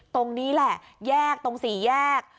ตรงนี้แหละแยกตรงสี่แยก